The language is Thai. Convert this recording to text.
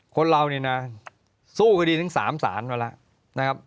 คนเรานี่น่ะสู้คดีถึงสามสารมาล่ะนะครับ